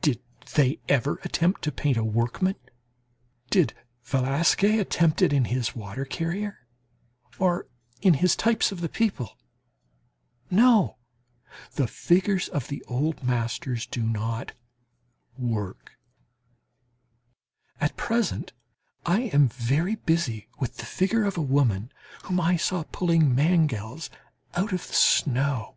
Did they ever attempt to paint a workman? Did Velasquez attempt it in his "Water Carrier" or in his types of the people? No! The figures of the old masters do not "work." At present I am very busy with the figure of a woman whom I saw pulling mangels out of the snow.